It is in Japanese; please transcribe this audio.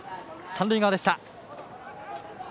三塁側でした。